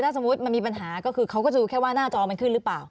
สมมุติมันมีปัญหาก็คือเขาก็ดูแค่ว่าหน้าจอมันขึ้นหรือเปล่า